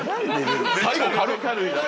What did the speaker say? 最後軽っ！